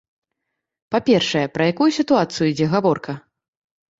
Па-першае, пра якую сітуацыю ідзе гаворка?